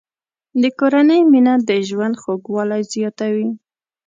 د کورنۍ مینه د ژوند خوږوالی زیاتوي.